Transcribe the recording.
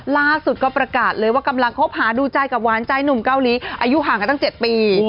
ล่าสุดก็ประกาศเลยว่ากำลังคบหาดูใจกับหวานใจหนุ่มเกาหลีอายุห่างกันตั้ง๗ปี